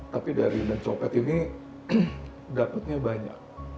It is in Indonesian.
tapi dari ban copet ini dapetnya banyak